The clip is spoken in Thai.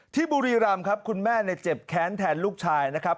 บุรีรำครับคุณแม่เจ็บแค้นแทนลูกชายนะครับ